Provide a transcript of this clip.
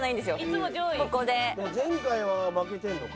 前回は負けてるのか。